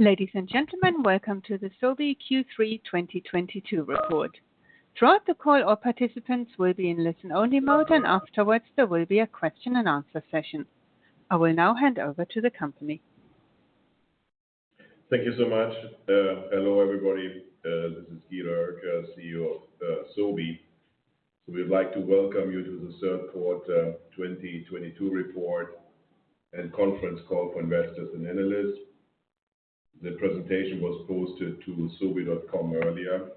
Ladies and gentlemen, welcome to the Sobi Q3 2022 report. Throughout the call, all participants will be in Listen-Only Mode, and afterwards there will be a question and answer session. I will now hand over to the company. Thank you so much. Hello everybody. This is Guido Oelkers, CEO of Sobi. We'd like to welcome you to the 1/3 1/4 2022 report and conference call for investors and analysts. The presentation was posted to sobi.com earlier.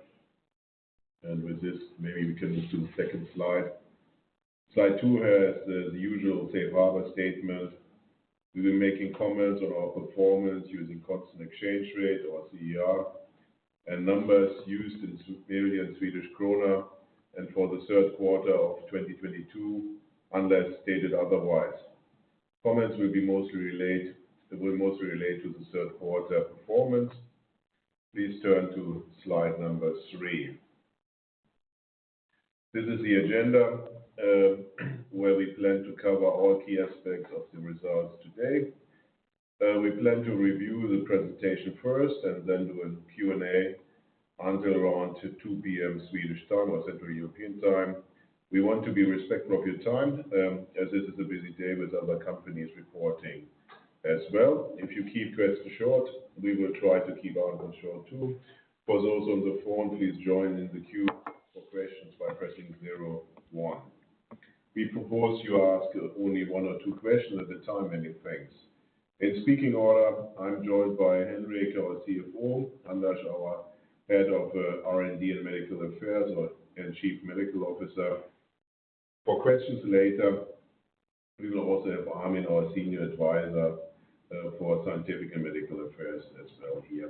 With this, maybe we can just do the second Slide. Slide 2 has the usual safe harbor statement. We'll be making comments on our performance using constant exchange rate or CER, and numbers used in Swedish krona for the 1/3 1/4 of 2022, unless stated otherwise. Comments will mostly relate to the 1/3 1/4 performance. Please turn to Slide number 3. This is the agenda, where we plan to cover all key aspects of the results today. We plan to review the presentation first and then do a Q&A until around 2:00 P.M. Swedish time or Central European Time. We want to be respectful of your time, as this is a busy day with other companies reporting as well. If you keep questions short, we will try to keep our answers short too. For those on the phone, please join in the queue for questions by pressing zero one. We propose you ask only one or 2 questions at a time, many thanks. In speaking order, I'm joined by Henrik, our CFO, Anders, our head of R&D and Medical Affairs and Chief Medical Officer. For questions later, we will also have Armin, our Senior Advisor, for Scientific and Medical Affairs as well here.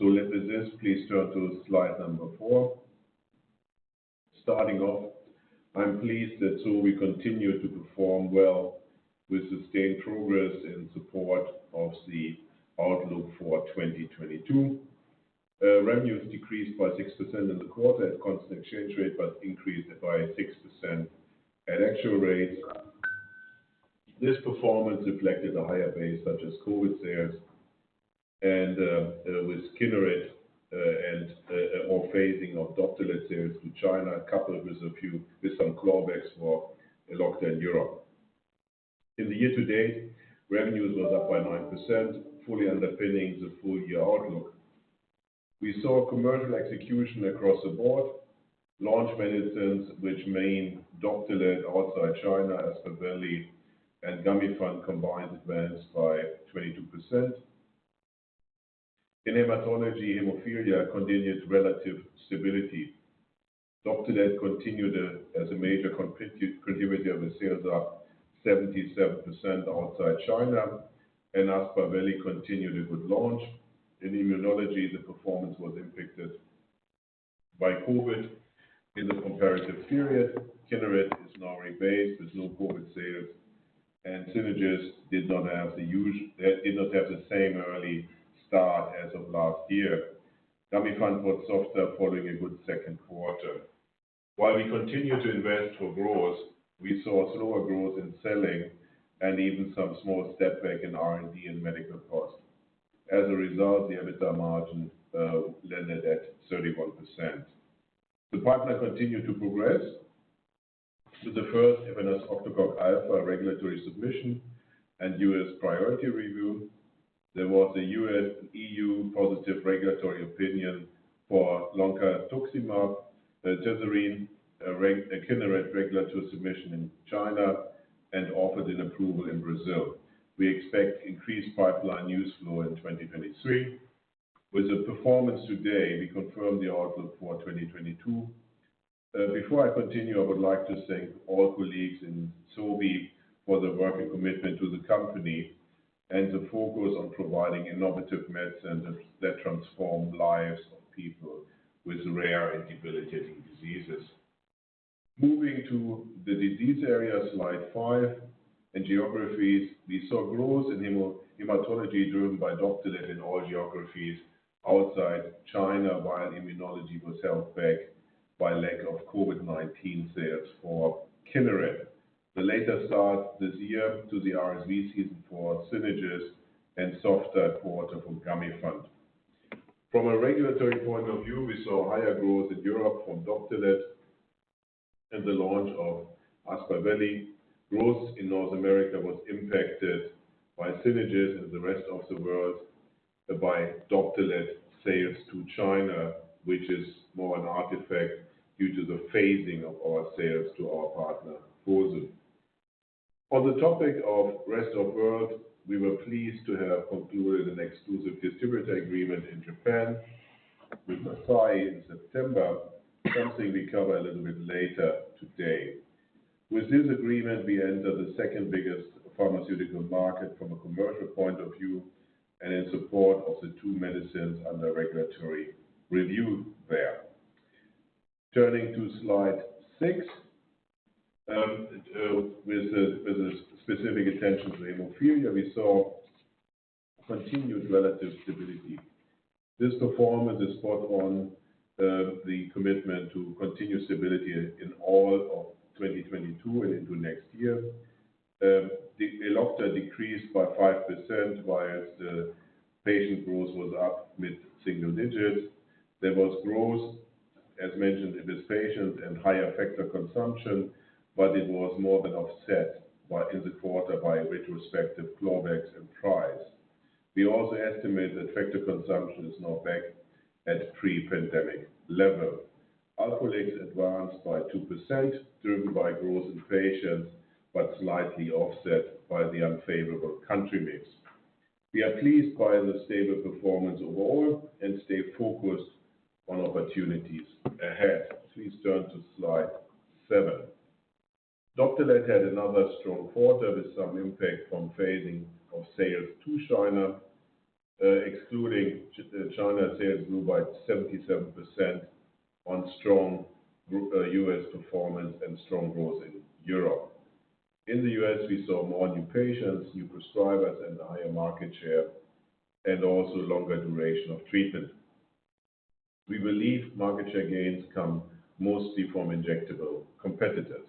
With this, please turn to Slide number 4. Starting off, I'm pleased that Sobi continued to perform well with sustained progress in support of the outlook for 2022. Revenues decreased by 6% in the 1/4 at constant exchange rate, but increased by 6% at actual rates. This performance reflected a higher base such as COVID sales and with Kineret and our phasing of Doptelet sales to China, coupled with some clawbacks for lockdown Europe. In the year to date, revenues were up by 9%, fully underpinning the full year outlook. We saw commercial execution across the board. Launch medicines which mainly Doptelet outside China, Aspaveli and Gamifant combined advanced by 22%. In hematology, hemophilia continued relative stability. Doptelet continued as a major contributor with sales up 77% outside China, and Aspaveli continued a good launch. In immunology, the performance was impacted by COVID in the comparative period. Kineret is now rebased with no COVID sales, and Synagis did not have the same early start as of last year. Gamifant was softer following a good second 1/4. While we continue to invest for growth, we saw slower growth in selling and even some small step back in R&D and medical costs. As a result, the EBITDA margin landed at 31%. The partner continued to progress with the first efanesoctocog alfa regulatory submission and U.S. priority review. There was a U.S., EU positive regulatory opinion for loncastuximab tesirine, a Kineret regulatory submission in China and an approval in Brazil. We expect increased pipeline news flow in 2023. With the performance today, we confirm the outlook for 2022. Before I continue, I would like to thank all colleagues in Sobi for the work and commitment to the company and the focus on providing innovative medicines that transform lives of people with rare and debilitating diseases. Moving to the disease area, Slide 5, and geographies, we saw growth in hematology driven by Doptelet in all geographies outside China, while immunology was held back by lack of COVID-19 sales for Kineret, the later start this year to the RSV season for Synagis, and softer 1/4 from Gamifant. From a geographical point of view, we saw higher growth in Europe from Doptelet and the launch of Aspaveli. Growth in North America was impacted by Synagis and the rest of the world by Doptelet sales to China, which is more an artifact due to the phasing of our sales to our partner, Zuellig. On the topic of rest of world, we were pleased to have concluded an exclusive distributor agreement in Japan with Asahi Kasei Pharma in September, something we cover a little bit later today. With this agreement, we enter the second biggest pharmaceutical market from a commercial point of view and in support of the 2 medicines under regulatory review there. Turning to Slide 6, with a specific attention to hemophilia, we saw continued relative stability. This performance is spot on the commitment to continue stability in all of 2022 and into next year. The Elocta decreased by 5% while the patient growth was up in single digits. There was growth, as mentioned, in this patient and higher factor consumption, but it was more than offset by, in the 1/4, retrospective clawbacks and price. We also estimate that factor consumption is now back at Pre-pandemic level. Alprolix advanced by 2% driven by growth in patients, but slightly offset by the unfavorable country mix. We are pleased by the stable performance overall and stay focused on opportunities ahead. Please turn to Slide 7. Doptelet had another strong 1/4 with some impact from phasing of sales to China. Excluding China, sales grew by 77% on strong US performance and strong growth in Europe. In the US, we saw more new patients, new prescribers, and higher market share, and also longer duration of treatment. We believe market share gains come mostly from injectable competitors.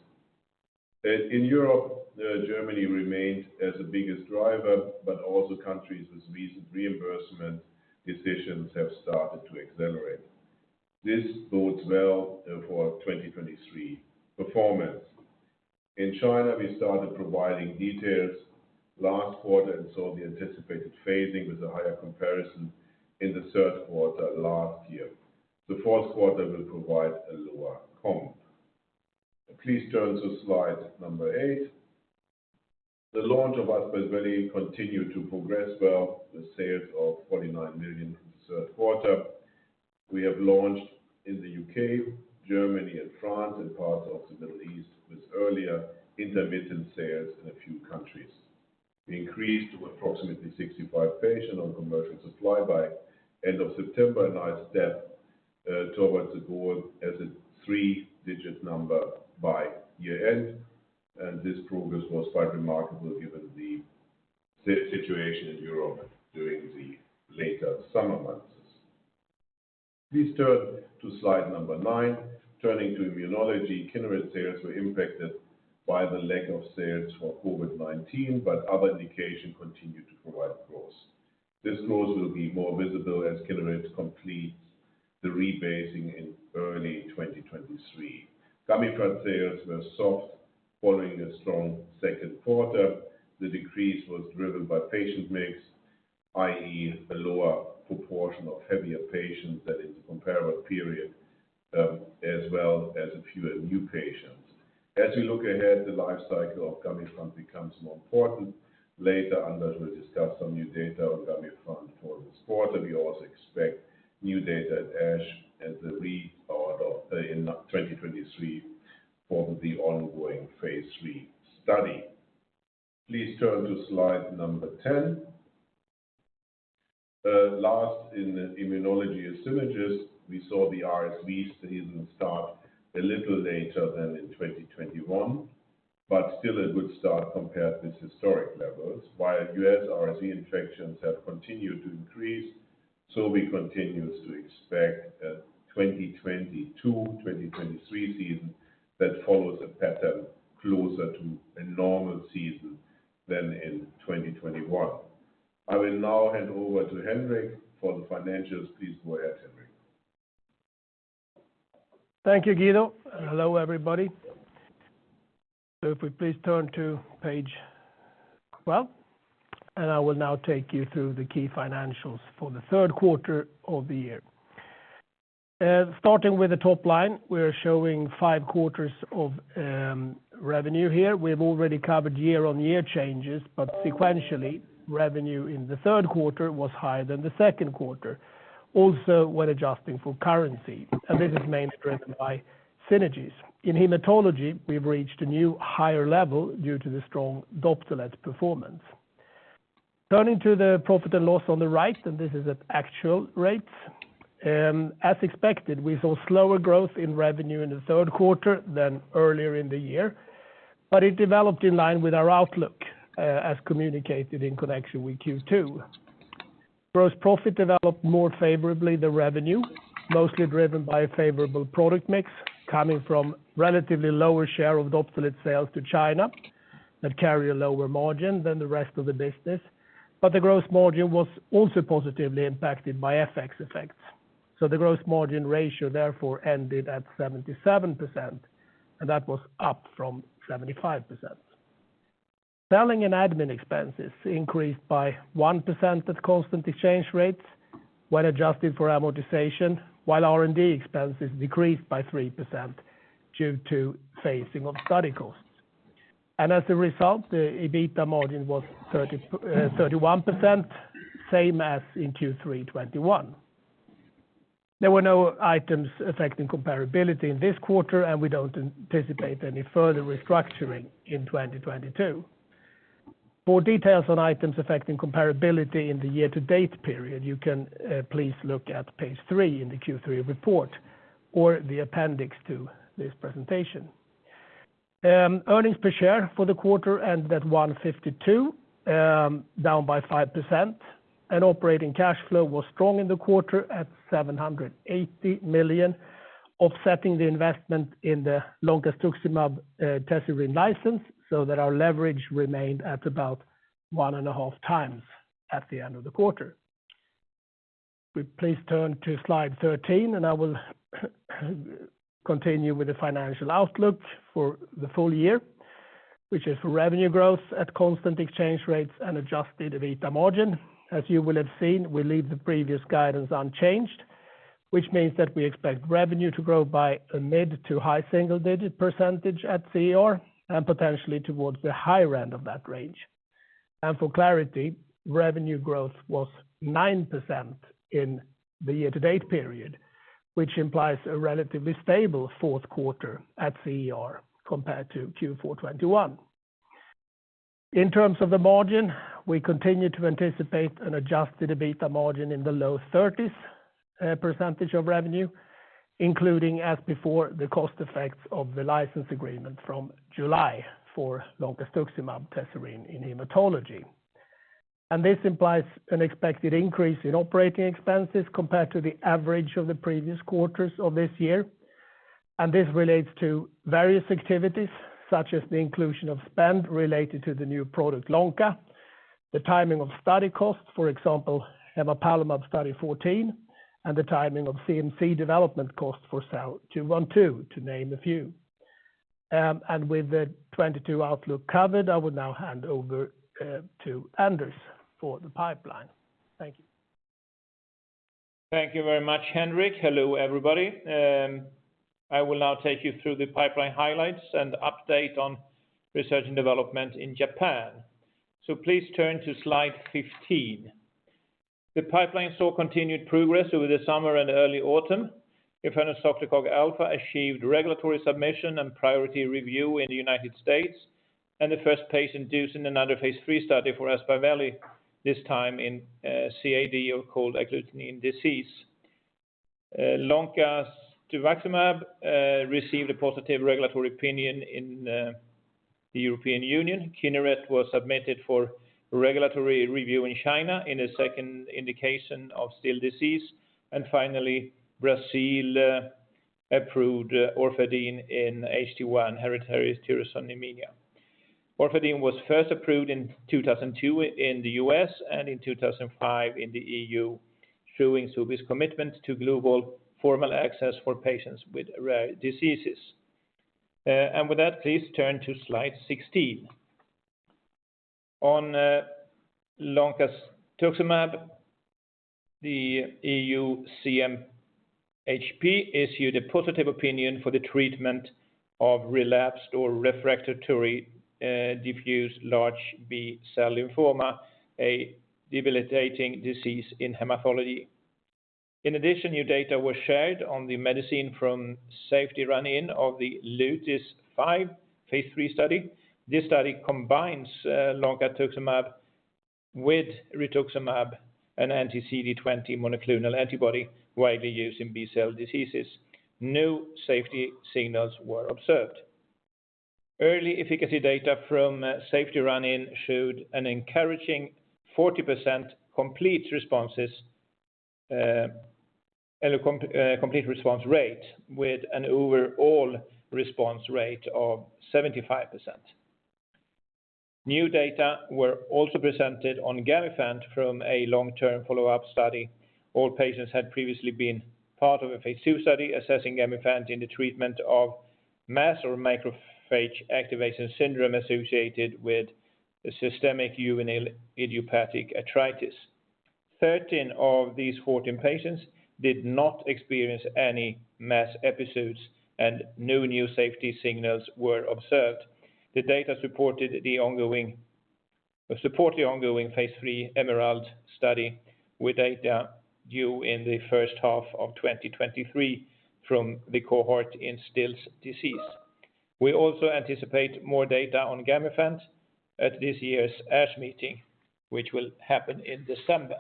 In Europe, Germany remained as the biggest driver, but also countries with recent reimbursement decisions have started to accelerate. This bodes well for 2023 performance. In China, we started providing details last 1/4 and saw the anticipated phasing with a higher comparison in the 1/3 1/4 last year. The fourth 1/4 will provide a lower comp. Please turn to Slide 8. The launch of Aspaveli continued to progress well with sales of 49 million in the 1/3 1/4. We have launched in the UK, Germany, and France, and parts of the Middle East, with earlier intermittent sales in a few countries. We increased to approximately 65 patients on commercial supply by end of September, a nice step towards the goal as a 3-digit number by year-end. This progress was quite remarkable given the situation in Europe during the latter summer months. Please turn to Slide 9. Turning to immunology, Kineret sales were impacted by the lack of sales for COVID-19, but other indications continued to provide growth. This growth will be more visible as Kineret completes the rebasing in early 2023. Gamifant sales were soft following a strong second 1/4. The decrease was driven by patient mix, i.e., a lower proportion of heavier patients than in the comparable period, as well as a fewer new patients. As we look ahead, the life cycle of Gamifant becomes more important. Later, Anders will discuss some new data on Gamifant for this 1/4. We also expect new data at ASH at the end of 2023 for the ongoing phase 3 study. Please turn to Slide number 10. Last in the immunology is Synagis. We saw the RSV season start a little later than in 2021, but still a good start compared with historic levels. While U.S. RSV infections have continued to increase, so we continue to expect a 2022/2023 season that follows a pattern closer to a normal season than in 2021. I will now hand over to Henrik for the financials. Please go ahead, Henrik. Thank you, Guido, and hello, everybody. If we please turn to page 12, and I will now take you through the key financials for the 1/3 1/4 of the year. Starting with the top line, we're showing 5 quarters of revenue here. We've already covered Year-On-Year changes, but sequentially, revenue in the 1/3 1/4 was higher than the second 1/4, also when adjusting for currency, and this is mainly driven by synergies. In hematology, we've reached a new higher level due to the strong Doptelet performance. Turning to the profit and loss on the right, and this is at actual rates. As expected, we saw slower growth in revenue in the 1/3 1/4 than earlier in the year, but it developed in line with our outlook, as communicated in connection with Q2. Gross profit developed more favorably than revenue, mostly driven by a favorable product mix coming from relatively lower share of Doptelet sales to China that carry a lower margin than the rest of the business. The gross margin was also positively impacted by FX effects, so the gross margin ratio therefore ended at 77%, and that was up from 75%. Selling and admin expenses increased by 1% at constant exchange rates when adjusted for amortization, while R&D expenses decreased by 3% due to phasing of study costs. As a result, the EBITA margin was 31%, same as in Q3 2021. There were no items affecting comparability in this 1/4, and we don't anticipate any further restructuring in 2022. For details on items affecting comparability in the Year-To-Date period, you can, please look at page 3 in the Q3 report or the appendix to this presentation. Earnings per share for the 1/4 ended 1.52, down by 5%. Operating cash flow was strong in the 1/4 at 780 million, offsetting the investment in the loncastuximab tesirine license, so that our leverage remained at about 1.5 times at the end of the 1/4. Will you please turn to Slide 13, and I will continue with the financial outlook for the full year, which is revenue growth at constant exchange rates and adjusted EBITDA margin. As you will have seen, we leave the previous guidance unchanged, which means that we expect revenue to grow by a mid to high single digit percentage at CER, and potentially towards the higher end of that range. For clarity, revenue growth was 9% in the Year-To-Date period, which implies a relatively stable fourth 1/4 at CER compared to Q4 2021. In terms of the margin, we continue to anticipate an adjusted EBITDA margin in the low thirties, percentage of revenue, including, as before, the cost effects of the license agreement from July for loncastuximab tesirine in hematology. This implies an expected increase in operating expenses compared to the average of the previous quarters of this year. This relates to various activities, such as the inclusion of spend related to the new product, loncastuximab, the timing of study costs, for example, emapalumab study 14, and the timing of CMC development costs for SEL-212, to name a few. With the 2022 outlook covered, I will now hand over to Anders for the pipeline. Thank you. Thank you very much, Henrik. Hello, everybody. I will now take you through the pipeline highlights and update on research and development in Japan. Please turn to Slide 15. The pipeline saw continued progress over the summer and early autumn. Efaneseptocog alfa achieved regulatory submission and priority review in the United States, and the first patient dosed in another phase 3 study for Aspaveli, this time in CAD or cold agglutinin disease. Loncastuximab received a positive regulatory opinion in the European Union. Kineret was submitted for regulatory review in China in a second indication of Still's disease. Finally, Brazil approved Orfadin in HT-1, hereditary tyrosinemia. Orfadin was first approved in 2002 in the U.S. and in 2005 in the EU, showing Sobi's commitment to global formulary access for patients with rare diseases. With that, please turn to Slide 16. On loncastuximab, the EU CHMP issued a positive opinion for the treatment of relapsed or refractory diffuse large B-Cell lymphoma, a debilitating disease in hematology. In addition, new data was shared on the medicine from safety Run-In of the LOTIS-5 phase 3 study. This study combines loncastuximab with rituximab, an Anti-CD20 monoclonal antibody widely used in B-Cell diseases. No safety signals were observed. Early efficacy data from safety Run-In showed an encouraging 40% complete responses and a complete response rate with an overall response rate of 75%. New data were also presented on Gamifant from a long-term Follow-Up study. All patients had previously been part of a phase 2 study assessing Gamifant in the treatment of MAS or macrophage activation syndrome associated with systemic juvenile idiopathic arthritis. 13 of these 14 patients did not experience any MAS episodes, and no new safety signals were observed. The data support the ongoing phase 3 EMERALD study with data due in the first 1/2 of 2023 from the cohort in Still's disease. We also anticipate more data on Gamifant at this year's ASH meeting, which will happen in December.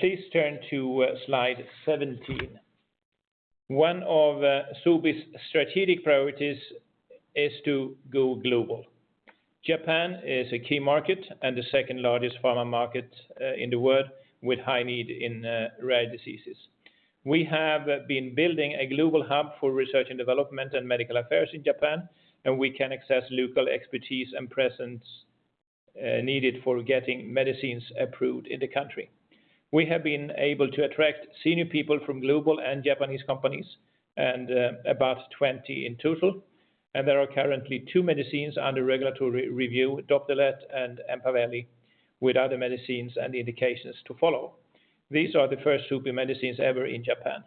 Please turn to Slide 17. One of Sobi's strategic priorities is to go global. Japan is a key market and the second-largest pharma market in the world with high need in rare diseases. We have been building a global hub for research and development and medical affairs in Japan, and we can access local expertise and presence needed for getting medicines approved in the country. We have been able to attract senior people from global and Japanese companies, and about 20 in total. There are currently 2 medicines under regulatory review, Doptelet and Aspaveli, with other medicines and indications to follow. These are the first Sobi medicines ever in Japan.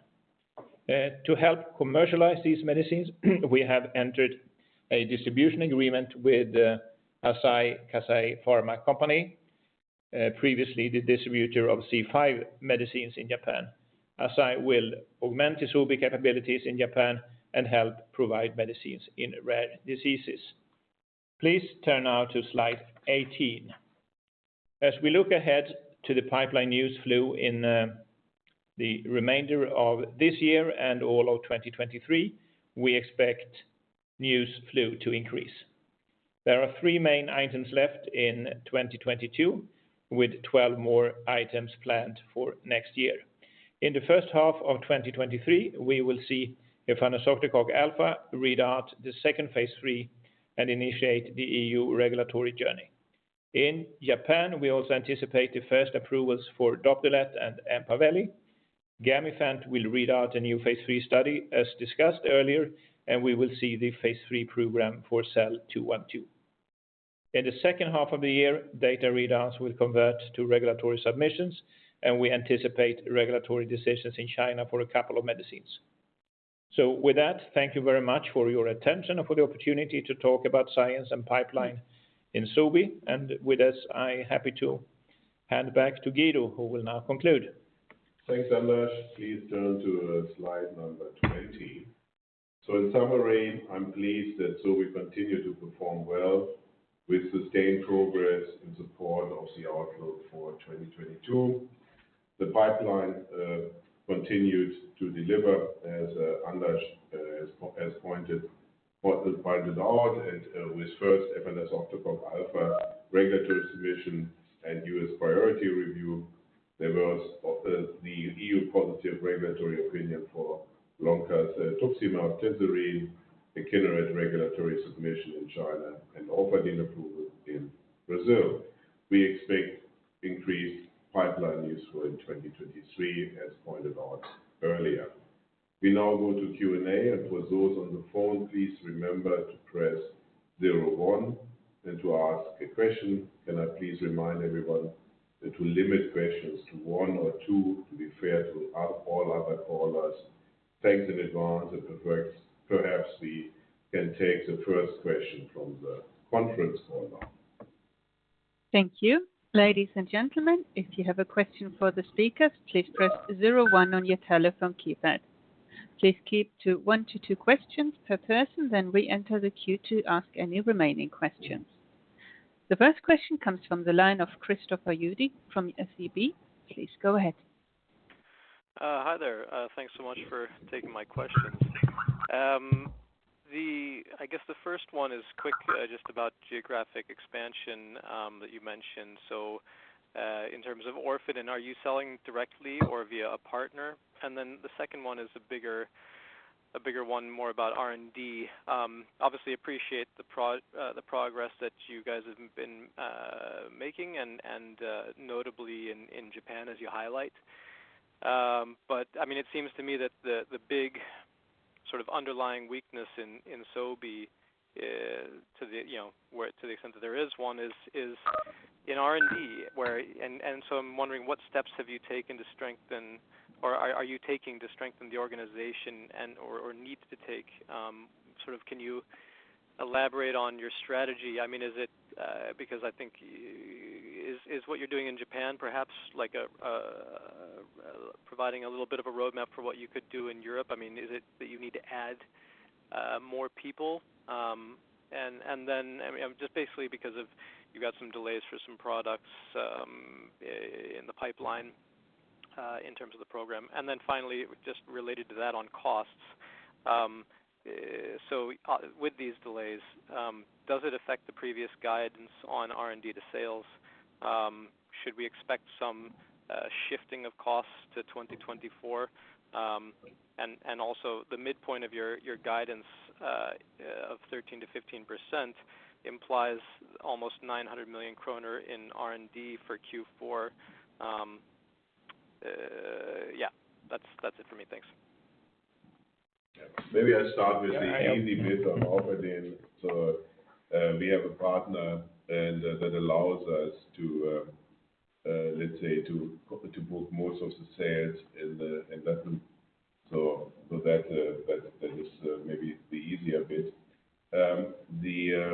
To help commercialize these medicines, we have entered a distribution agreement with Asahi Kasei Pharma Corporation, previously the distributor of C5 medicines in Japan. Asahi will augment the Sobi capabilities in Japan and help provide medicines in rare diseases. Please turn now to Slide 18. As we look ahead to the pipeline news flow in the remainder of this year and all of 2023, we expect news flow to increase. There are 3 main items left in 2022, with 12 more items planned for next year. In the first 1/2 of 2023, we will see efanesoctocog alfa read out the second phase 3 and initiate the EU regulatory journey. In Japan, we also anticipate the first approvals for Doptelet and Aspaveli. Gamifant will read out a new phase 3 study as discussed earlier, and we will see the phase 3 program for SEL-212. In the second 1/2 of the year, data readouts will convert to regulatory submissions, and we anticipate regulatory decisions in China for a couple of medicines. With that, thank you very much for your attention and for the opportunity to talk about science and pipeline in Sobi. With this, I'm happy to hand back to Guido, who will now conclude. Thanks, Anders. Please turn to Slide number 20. In summary, I'm pleased that Sobi continue to perform well with sustained progress in support of the outlook for 2022. The pipeline continued to deliver, as Anders has pointed out, and with efanesoctocog alfa regulatory submission and US priority review, there was the EU positive regulatory opinion for loncastuximab tesirine, the Kineret regulatory submission in China, and Orfadin approval in Brazil. We expect increased pipeline news flow in 2023, as pointed out earlier. We now go to Q&A. For those on the phone, please remember to press zero one to ask a question. Can I please remind everyone to limit questions to one or 2 to be fair to all other callers? Thanks in advance. If it works, perhaps we can take the first question from the conference caller. Thank you. Ladies and gentlemen, if you have a question for the speakers, please press zero one on your telephone keypad. Please keep to one to 2 questions per person, then re-enter the queue to ask any remaining questions. The first question comes from the line of Christopher Uhde from SEB. Please go ahead. Hi there. Thanks so much for taking my questions. I guess the first one is quick, just about geographic expansion that you mentioned. In terms of Orfadin, are you selling directly or via a partner? The second one is a bigger one more about R&D. Obviously appreciate the progress that you guys have been making and notably in Japan as you highlight. But I mean, it seems to me that the big sort of underlying weakness in Sobi is, you know, to the extent that there is one is in R&D where. I'm wondering what steps have you taken to strengthen or are you taking to strengthen the organization and/or need to take. Sort of, can you elaborate on your strategy? I mean, is it because I think is what you're doing in Japan perhaps like providing a little bit of a roadmap for what you could do in Europe? I mean, is it that you need to add more people? I mean, just basically because you got some delays for some products in the pipeline in terms of the program. Then finally, just related to that on costs. With these delays, does it affect the previous guidance on R&D to sales? Should we expect some shifting of costs to 2024? Also the midpoint of your guidance of 13%-15% implies almost 900 million kronor in R&D for Q4. Yeah, that's it for me. Thanks. Maybe I start with the easy bit of Orfadin. We have a partner and that allows us to book most of the sales in the invoice. That is maybe the easier bit.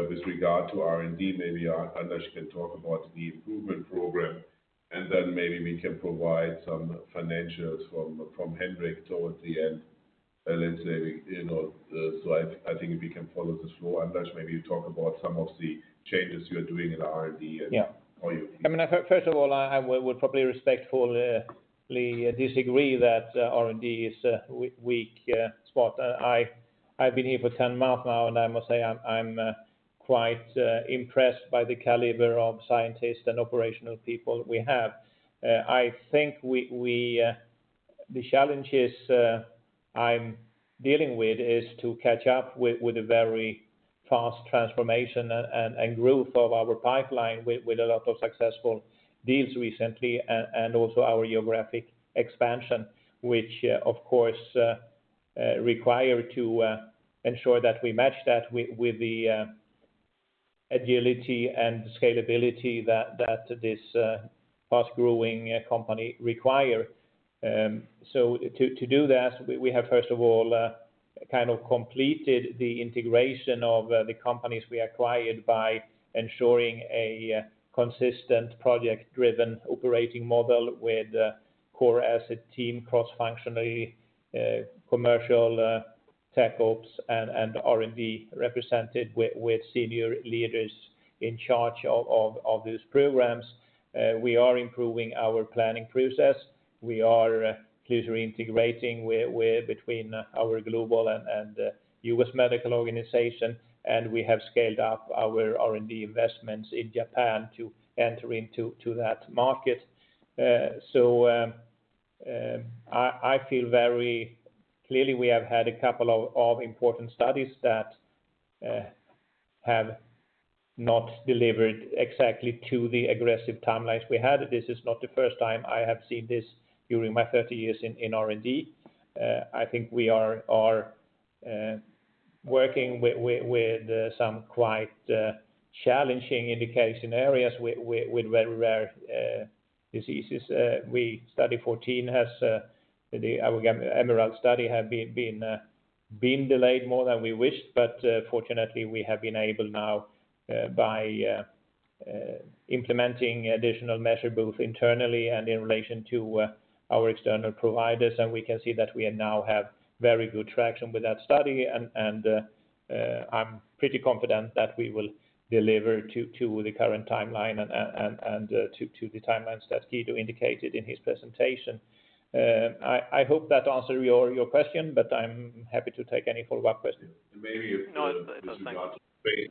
With regard to R&D, maybe Anders can talk about the improvement program, and then maybe we can provide some financials from Henrik towards the end. You know, I think if we can follow this flow, Anders, maybe you talk about some of the changes you're doing in R&D and. Yeah. How you view. I mean, first of all, I would probably respectfully disagree that R&D is a weak spot. I've been here for 10 months now, and I must say I'm quite impressed by the caliber of scientists and operational people we have. I think the challenges I'm dealing with is to catch up with a very fast transformation and growth of our pipeline with a lot of successful deals recently and also our geographic expansion, which of course require to ensure that we match that with the agility and scalability that this fast-growing company require. To do that, we have first of all kind of completed the integration of the companies we acquired by ensuring a consistent project-driven operating model with a core asset team, cross-functionally, commercial, Tech ops and R&D represented with senior leaders in charge of these programs. We are improving our planning process. We are closely integrating between our global and U.S. medical organization, and we have scaled up our R&D investments in Japan to enter into that market. I feel very clearly we have had a couple of important studies that have not delivered exactly to the aggressive timelines we had. This is not the first time I have seen this during my 30 years in R&D. I think we are working with some quite challenging indication areas with very rare diseases. Our EMERALD study has been delayed more than we wished, but fortunately, we have been able now by implementing additional measure both internally and in relation to our external providers. We can see that we now have very good traction with that study. I'm pretty confident that we will deliver to the current timeline and to the timelines that Guido indicated in his presentation. I hope that answered your question, but I'm happy to take any Follow-Up questions. Maybe with regards. No. Thank you.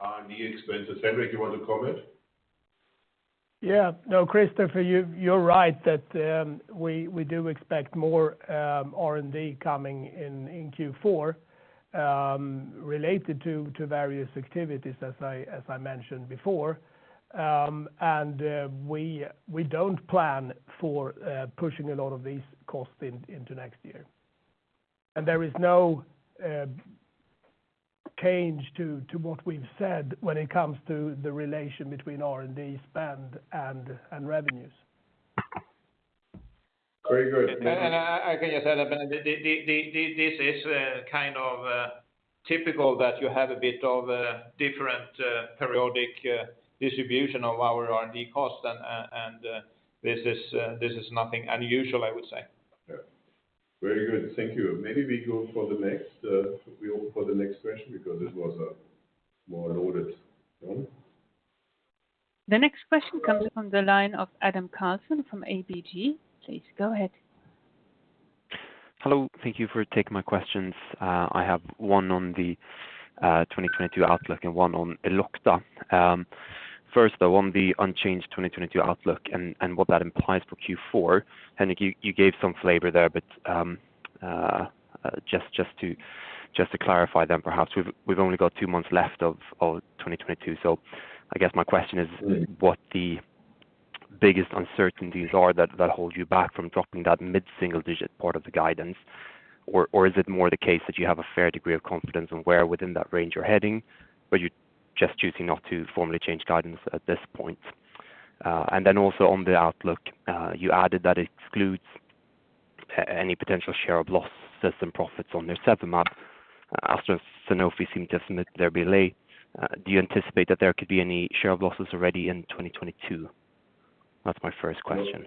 R&D expenses. Henrik, you want to comment? No, Christopher, you're right that we do expect more R&D coming in in Q4 related to various activities as I mentioned before. We don't plan for pushing a lot of these costs into next year. There is no change to what we've said when it comes to the relation between R&D spend and revenues. Very good. I can just add this is kind of typical that you have a bit of a different periodic distribution of our R&D costs. This is nothing unusual, I would say. Yeah. Very good. Thank you. Maybe we go for the next question because this was a more loaded one. The next question comes from the line of Adam Karlsson from ABG. Please go ahead. Hello. Thank you for taking my questions. I have one on the 2022 outlook and one on Elocta. First, though, on the unchanged 2022 outlook and what that implies for Q4. Henrik, you gave some flavor there, but just to clarify then, perhaps. We've only got 2 months left of 2022, so I guess my question is what the biggest uncertainties are that hold you back from dropping that mid-single digit part of the guidance. Or is it more the case that you have a fair degree of confidence on where within that range you're heading, but you're just choosing not to formally change guidance at this point? And then also on the outlook, you added that excludes any potential share of losses and profits on nirsevimab. After Sanofi seemed to submit their BLA, do you anticipate that there could be any share of losses already in 2022? That's my first question.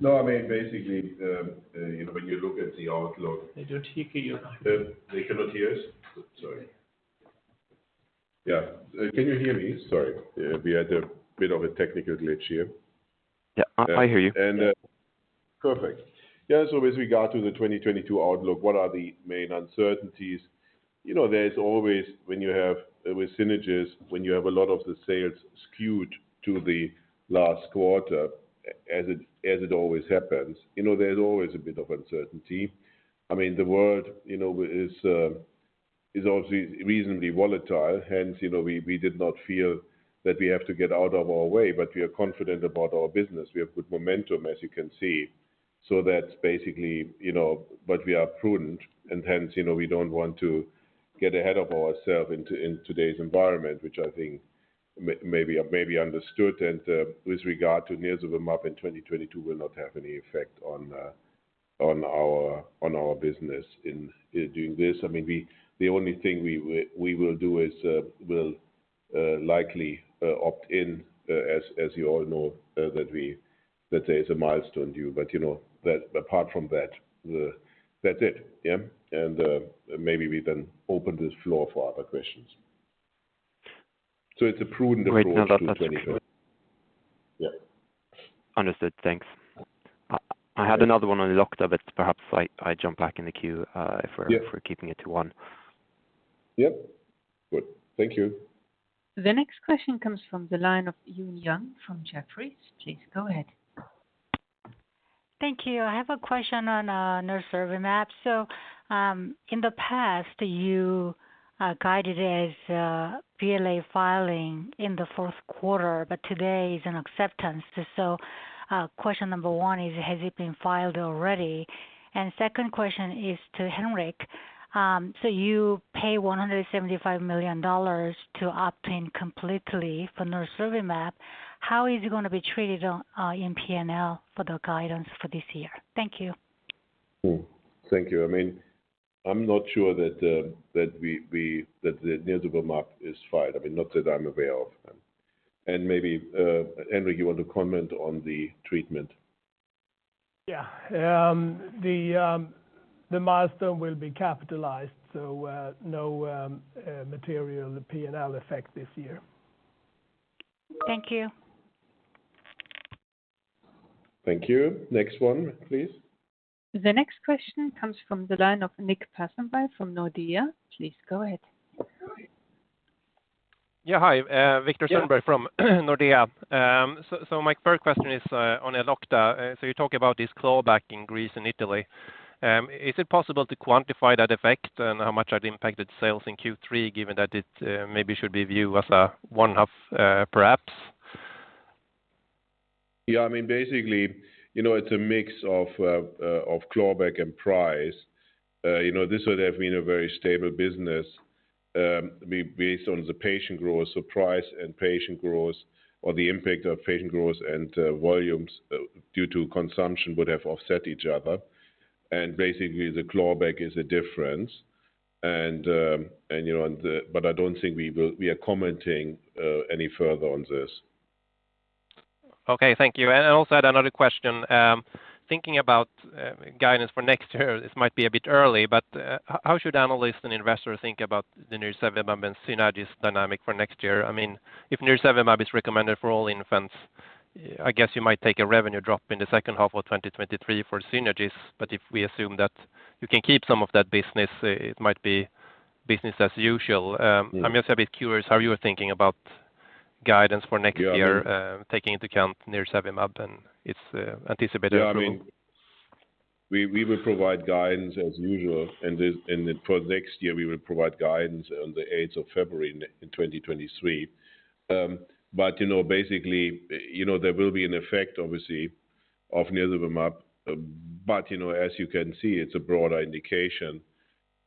No. I mean, basically, you know, when you look at the outlook- They do hear you. They cannot hear us? Sorry. Yeah. Can you hear me? Sorry. We had a bit of a technical glitch here. Yeah, I hear you. Perfect. Yeah. With regard to the 2022 outlook, what are the main uncertainties? You know, there's always when you have with synergies, when you have a lot of the sales skewed to the last 1/4, as it always happens, you know, there's always a bit of uncertainty. I mean, the world, you know, is is obviously reasonably volatile. Hence, you know, we did not feel that we have to get out of our way, but we are confident about our business. We have good momentum, as you can see. That's basically, you know. We are prudent, and hence, you know, we don't want to get ahead of ourself in in today's environment, which I think may be, maybe understood. With regard to nirsevimab in 2022 will not have any effect on our business in doing this. I mean, the only thing we will do is we'll likely opt in, as you all know, that there is a milestone due. You know, that apart from that's it. Yeah. Maybe we then open this floor for other questions. It's a prudent approach to 2022- Wait. No, that's good. Yeah. Understood. Thanks. I had another one on Elocta, but perhaps I jump back in the queue. Yeah. If we're keeping it to one. Yeah. Good. Thank you. The next question comes from the line of Eun Yang from Jefferies. Please go ahead. Thank you. I have a question on nirsevimab. In the past, you guided as BLA filing in the fourth 1/4, but today is an acceptance. Question number one is, has it been filed already? Second question is to Henrik. You pay $175 million to opt in completely for nirsevimab. How is it gonna be treated in P&L for the guidance for this year? Thank you. Thank you. I mean, I'm not sure that the nirsevimab is filed. I mean, not that I'm aware of. Maybe Henrik, you want to comment on the treatment? Yeah. The milestone will be capitalized, so no material P&L effect this year. Thank you. Thank you. Next one, please. The next question comes from the line of Viktor Sundberg from Nordea. Please go ahead. Yeah. Hi, Viktor Sundberg from Nordea. My first question is on Elocta. You talk about this clawback in Greece and Italy. Is it possible to quantify that effect and how much that impacted sales in Q3, given that it maybe should be viewed as a one-off, perhaps? Yeah, I mean, basically, you know, it's a mix of clawback and price. You know, this would have been a very stable business based on the patient growth. Price and patient growth or the impact of patient growth and volumes due to consumption would have offset each other. Basically, the clawback is a difference. I don't think we will be commenting any further on this. Okay. Thank you. I also had another question. Thinking about guidance for next year, this might be a bit early, but how should analysts and investors think about the nirsevimab and Synagis dynamic for next year? I mean, if nirsevimab is recommended for all infants, I guess you might take a revenue drop in the second 1/2 of 2023 for Synagis. If we assume that you can keep some of that business, it might be business as usual. Mm. I'm just a bit curious how you're thinking about guidance for next year? Yeah. I mean. Taking into account Nirsevimab and its anticipated approval. I mean, we will provide guidance as usual. For next year, we will provide guidance on the eighth of February in 2023. You know, basically, you know, there will be an effect obviously of nirsevimab. You know, as you can see, it's a broader indication.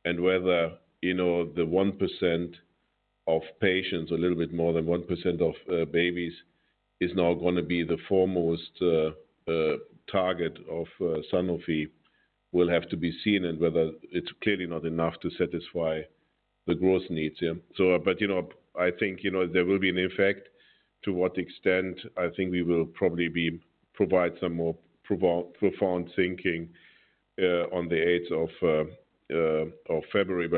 Whether you know, the 1% of patients, a little bit more than 1% of babies is now gonna be the foremost target of Sanofi will have to be seen and whether it's clearly not enough to satisfy the growth needs. I think you know, there will be an effect. To what extent, I think we will probably provide some more profound thinking on the eighth of February.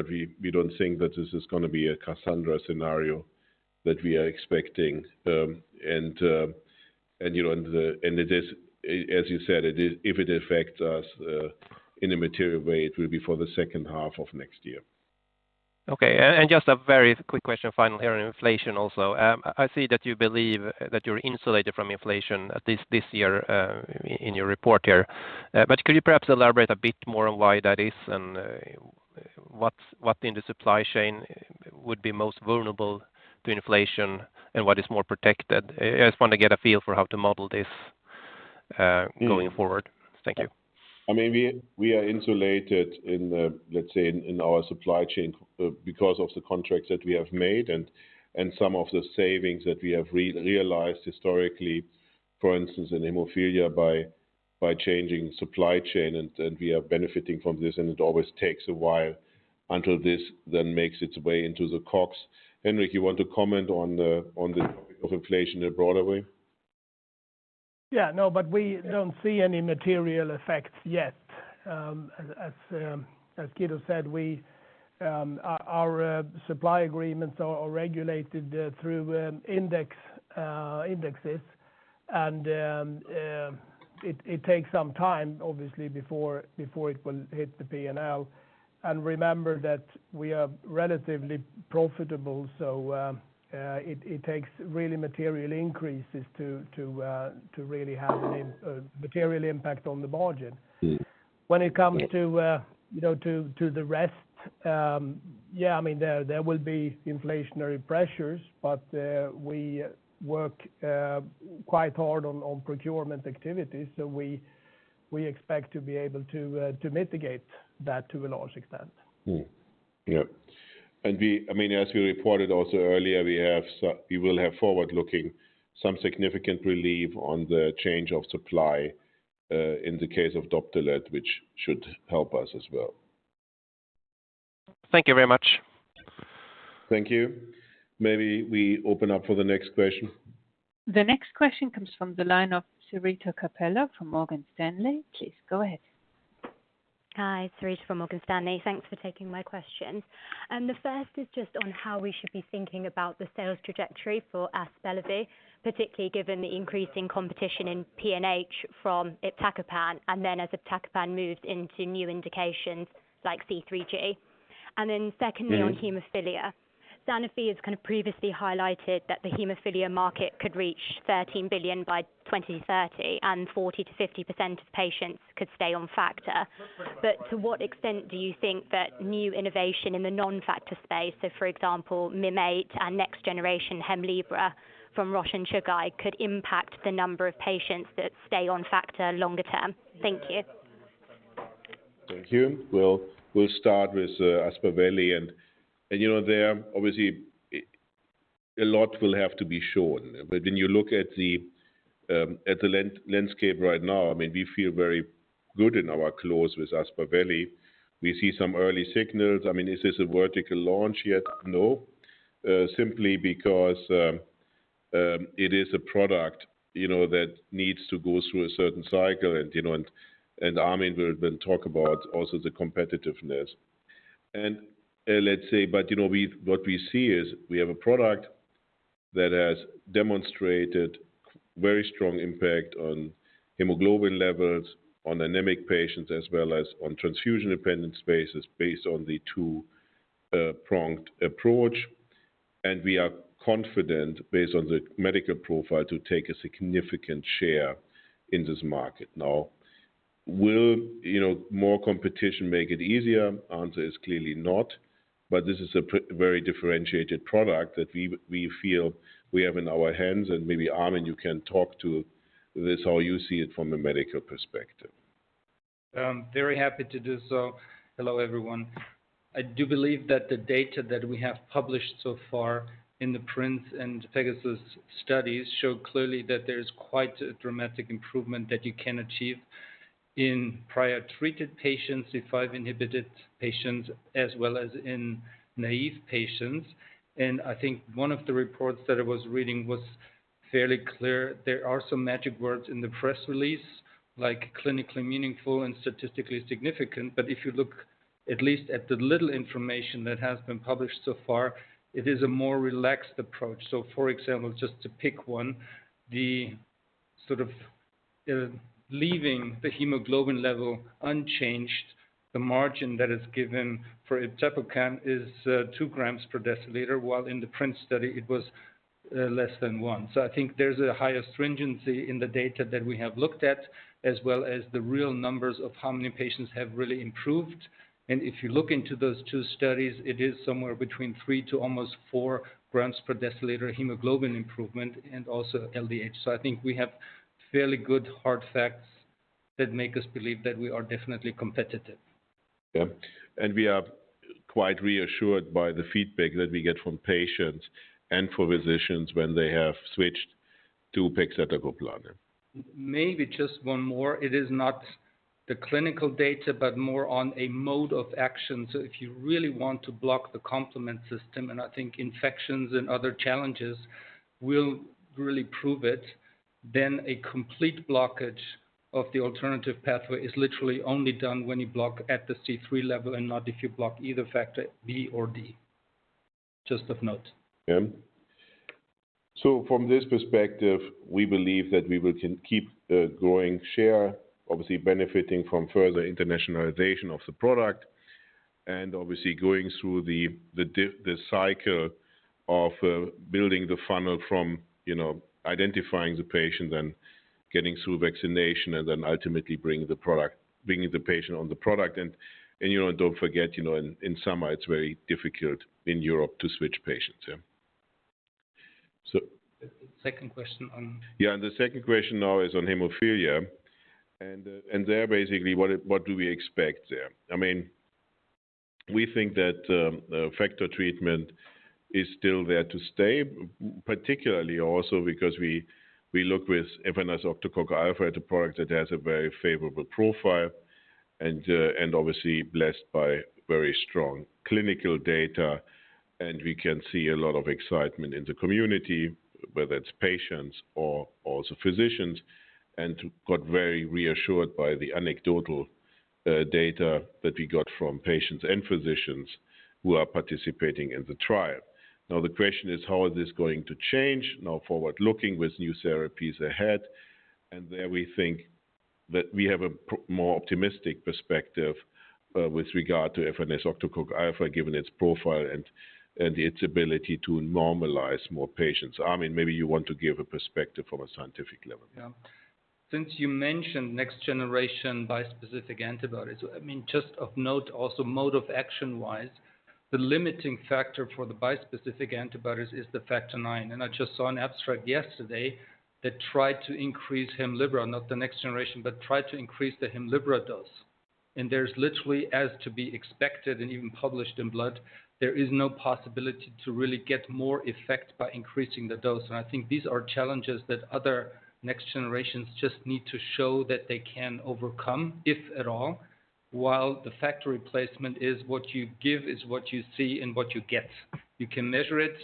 We don't think that this is gonna be a Cassandra scenario that we are expecting. It is, as you said. If it affects us in a material way, it will be for the second 1/2 of next year. Okay. Just a very quick final question here on inflation also. I see that you believe that you're insulated from inflation for this year in your report here. Could you perhaps elaborate a bit more on why that is and what in the supply chain would be most vulnerable to inflation and what is more protected? I just wanna get a feel for how to model this going forward. Mm. Thank you. I mean, we are insulated in the, let's say, in our supply chain, because of the contracts that we have made and some of the savings that we have realized historically, for instance, in hemophilia by changing supply chain, and we are benefiting from this, and it always takes a while until this then makes its way into the COGS. Henrik, you want to comment on the topic of inflation in a broader way? Yeah. No, but we don't see any material effects yet. As Guido said, our supply agreements are regulated through indexes. It takes some time, obviously, before it will hit the P&L. Remember that we are relatively profitable, so it takes really material increases to really have a material impact on the margin. Mm. When it comes to Yeah you know, to the rest, yeah, I mean, there will be inflationary pressures. We work quite hard on procurement activities, so we expect to be able to mitigate that to a large extent. I mean, as we reported also earlier, we will have Forward-Looking some significant relief on the change of supply in the case of Doptelet, which should help us as well. Thank you very much. Thank you. Maybe we open up for the next question. The next question comes from the line of Sarita Sherpa from Morgan Stanley. Please go ahead. Hi. Sarita from Morgan Stanley. Thanks for taking my question. The first is just on how we should be thinking about the sales trajectory for Aspaveli, particularly given the increasing competition in PNH from Iptacopan, and then as Iptacopan moves into new indications like C3G. Then secondly- Mm... on hemophilia. Sanofi has kind of previously highlighted that the hemophilia market could reach $13 billion by 2030, and 40%-50% of patients could stay on factor. To what extent do you think that new innovation in the Non-Factor space, so for example, Mim8 and next generation Hemlibra from Roche and Chugai, could impact the number of patients that stay on factor longer term? Thank you. Thank you. We'll start with Aspaveli. You know, there obviously a lot will have to be shown. When you look at the landscape right now, I mean, we feel very good in our position with Aspaveli. We see some early signals. I mean, is this a vertical launch yet? No. Simply because it is a product, you know, that needs to go through a certain cycle and, you know, Armin will talk about also the competitiveness. But you know, what we see is we have a product that has demonstrated very strong impact on hemoglobin levels, on anemic patients, as well as on Transfusion-Dependent patients based on the 2-pronged approach. We are confident, based on the medical profile, to take a significant share in this market. Now, well, you know, more competition make it easier? Answer is clearly not. This is a very differentiated product that we feel we have in our hands, and maybe, Armin, you can talk to this how you see it from a medical perspective. I'm very happy to do so. Hello, everyone. I do believe that the data that we have published so far in the PRINCE and PEGASUS studies show clearly that there's quite a dramatic improvement that you can achieve in prior treated patients, C5-Inhibited patients, as well as in naive patients. I think one of the reports that I was reading was fairly clear. There are some magic words in the press release, like clinically meaningful and statistically significant. If you look at least at the little information that has been published so far, it is a more relaxed approach. For example, just to pick one, the sort of leaving the hemoglobin level unchanged, the margin that is given for pegcetacoplan is 2 grams per deciliter, while in the PRINCE study it was less than one. I think there's a higher stringency in the data that we have looked at, as well as the real numbers of how many patients have really improved. If you look into those 2 studies, it is somewhere between 3-almost 4 grams per deciliter hemoglobin improvement and also LDH. I think we have fairly good hard facts that make us believe that we are definitely competitive. Yeah. We are quite reassured by the feedback that we get from patients and from physicians when they have switched to pegcetacoplan. Maybe just one more. It is not the clinical data, but more on a mode of action. If you really want to block the complement system, and I think infections and other challenges will really prove it, then a complete blockage of the alternative pathway is literally only done when you block at the C3 level and not if you block either factor B or D. Just of note. Yeah. From this perspective, we believe that we will keep growing share, obviously benefiting from further internationalization of the product and obviously going through the cycle of building the funnel from, you know, identifying the patient then getting through vaccination and then ultimately bringing the patient on the product. And you know, don't forget, you know, in summer it's very difficult in Europe to switch patients. The second question on Yeah, the second question now is on hemophilia. There basically, what do we expect there? I mean, we think that factor treatment is still there to stay, particularly also because we look with efanesoctocog alfa at a product that has a very favorable profile and obviously blessed by very strong clinical data. We can see a lot of excitement in the community, whether it's patients or also physicians, and got very reassured by the anecdotal data that we got from patients and physicians who are participating in the trial. Now, the question is how is this going to change now forward looking with new therapies ahead? There we think that we have a more optimistic perspective with regard to efanesoctocog alfa, given its profile and its ability to normalize more patients. Armin, maybe you want to give a perspective from a scientific level. Yeah. Since you mentioned next-generation bispecific antibodies, I mean, just of note also mode-of-Action-Wise, the limiting factor for the bispecific antibodies is Factor IX. I just saw an abstract yesterday that tried to increase Hemlibra, not the next generation, but tried to increase the Hemlibra dose. There's literally, as to be expected and even published in Blood, there is no possibility to really get more effect by increasing the dose. I think these are challenges that other next generations just need to show that they can overcome, if at all, while the factor replacement is what you give is what you see and what you get. You can measure it.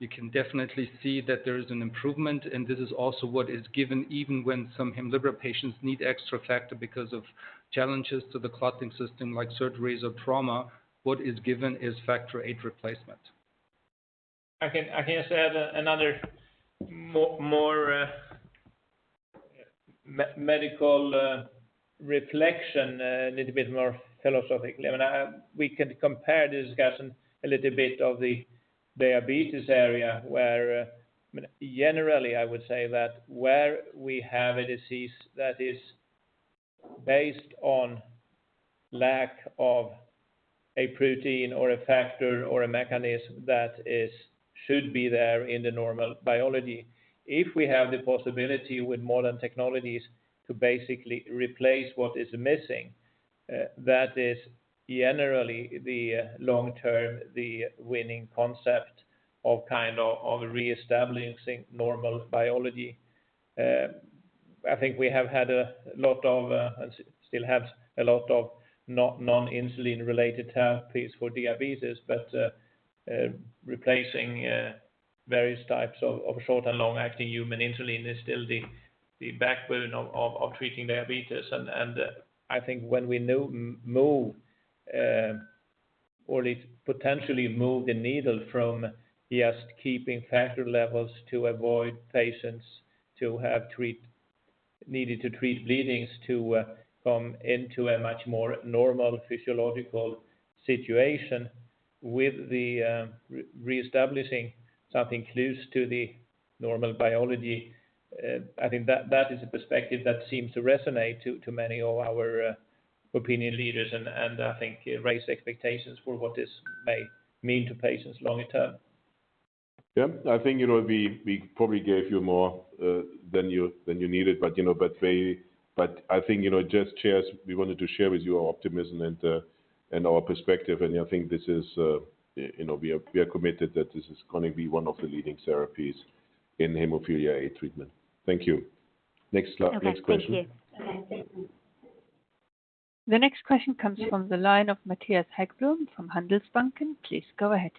You can definitely see that there is an improvement, and this is also what is given even when some Hemlibra patients need extra factor because of challenges to the clotting system like surgeries or trauma. What is given is factor eight replacement. I can just add another more medical reflection, a little bit more philosophically. I mean, we can compare discussion a little bit of the diabetes area where, I mean, generally, I would say that where we have a disease that is based on lack of a protein or a factor or a mechanism that is should be there in the normal biology, if we have the possibility with modern technologies to basically replace what is missing. That is generally the long term, the winning concept of kind of reestablishing normal biology. I think we have had a lot of, and still have a lot of Non-Insulin related therapies for diabetes, but replacing various types of short and long-acting human insulin is still the backbone of treating diabetes. I think when we move, or at least potentially move the needle from just keeping factor levels to avoid patients to have needed to treat bleedings to from into a much more normal physiological situation with the reestablishing something close to the normal biology. I think that is a perspective that seems to resonate to many of our opinion leaders and I think raise expectations for what this may mean to patients longer term. Yeah. I think you know we probably gave you more than you needed. I think you know we just wanted to share with you our optimism and our perspective. I think this is you know we are committed that this is gonna be one of the leading therapies in hemophilia A treatment. Thank you. Next question. Okay. Thank you. The next question comes from the line of Mattias Häggblom from Handelsbanken. Please go ahead.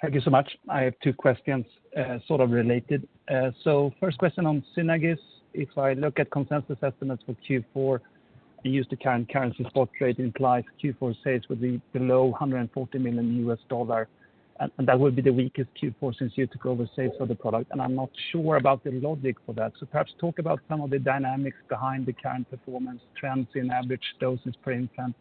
Thank you so much. I have 2 questions, sort of related. First question on Synagis. If I look at consensus estimates for Q4, the current currency spot rate implies Q4 sales will be below $140 million, and that would be the weakest Q4 since you took over sales of the product, and I'm not sure about the logic for that. Perhaps talk about some of the dynamics behind the current performance trends in average doses per infant,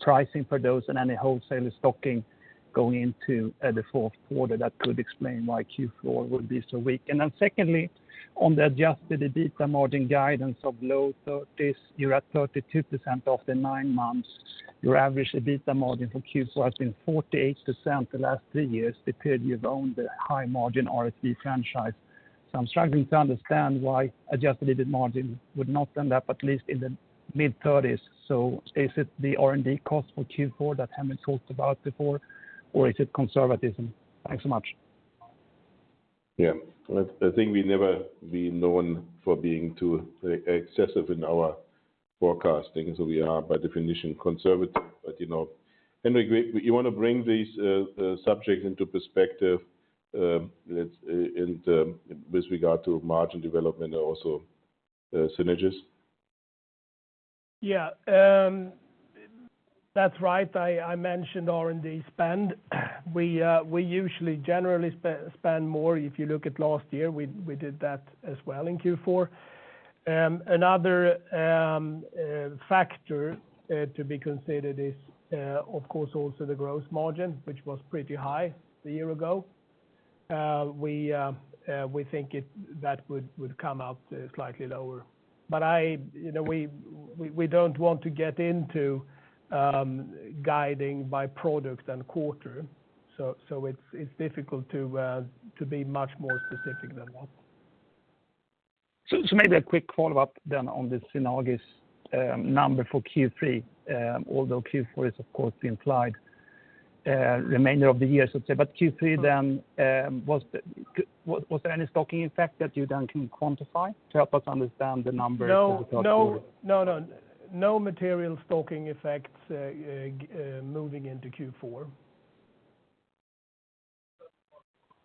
pricing per dose, and any wholesaler stocking going into the fourth 1/4 that could explain why Q4 will be so weak. Secondly, on the adjusted EBITA margin guidance of low 30s%, you're at 32% of the 9 months. Your average EBITA margin for Q4 has been 48% the last 3 years, the period you've owned the high margin RSV franchise. I'm struggling to understand why adjusted EBITA margin would not end up at least in the mid-30s. Is it the R&D cost for Q4 that Henrik talked about before, or is it conservatism? Thanks so much. I think we've never been known for being too excessive in our forecasting, so we are by definition conservative. You know, Henrik, you wanna bring these subjects into perspective with regard to margin development and also Synagis. Yeah. That's right. I mentioned R&D spend. We usually generally spend more. If you look at last year, we did that as well in Q4. Another factor to be considered is, of course, also the gross margin, which was pretty high a year ago. We think that would come out slightly lower. I, you know, we don't want to get into guiding by product and 1/4. It's difficult to be much more specific than that. Maybe a quick Follow-Up on the Synagis number for Q3, although Q4 is of course the implied remainder of the year, so to say. Q3 then, was there any stocking effect that you then can quantify to help us understand the numbers as opposed to- No. No material stocking effects moving into Q4.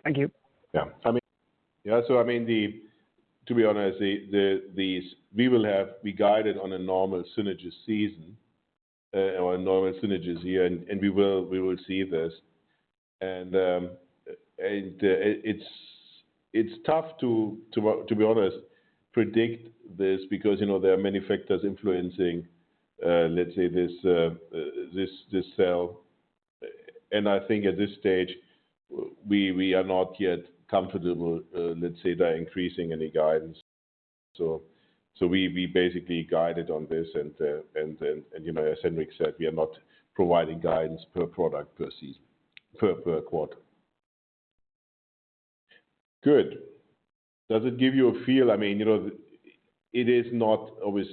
Thank you. Yeah. I mean. Yeah. So, I mean, to be honest, we guided on a normal Synagis season or a normal Synagis year, and we will see this. It's tough to be honest predict this because, you know, there are many factors influencing, let's say this sale. I think at this stage, we are not yet comfortable, let's say, by increasing any guidance. We basically guided on this and then, and you know, as Henrik said, we are not providing guidance per product per season per 1/4. Good. Does it give you a feel? I mean, you know, it is not always.